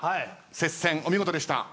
接戦お見事でした。